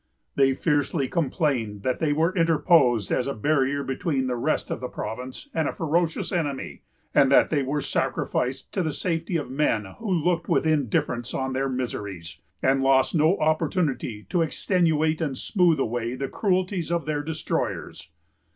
They fiercely complained that they were interposed as a barrier between the rest of the province and a ferocious enemy; and that they were sacrificed to the safety of men who looked with indifference on their miseries, and lost no opportunity to extenuate and smooth away the cruelties of their destroyers.